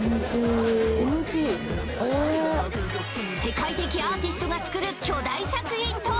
世界的アーティストが作る巨大作品とは？